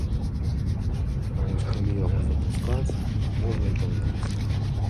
А вось калі яго запускаць, дык можна і памерці.